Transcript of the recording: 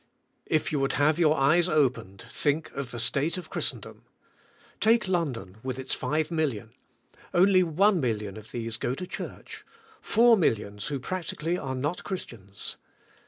If you would have your eyes opened, think of the state of Christendom. Take London with its five million, only one million of these go to church, four millions who practically are not Christians.